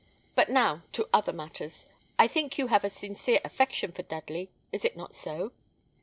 But now to other matters. I think you have a sincere affection for Dudley: is it not so?"